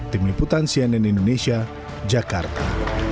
tim liputan cnn indonesia jakarta